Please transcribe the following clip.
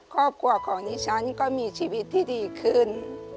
ครอบครัวของดิฉันก็มีชีวิตที่ดีขึ้น